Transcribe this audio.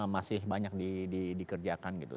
masih banyak dikerjakan gitu